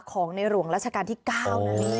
ของในหลวงราชกาลที่๙นั้น